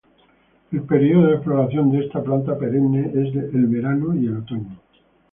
El periodo de floración de esta planta perenne es el verano y otoño.